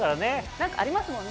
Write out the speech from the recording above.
何かありますもんね。